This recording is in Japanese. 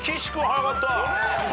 早かった。